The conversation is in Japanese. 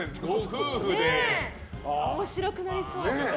面白くなりそう。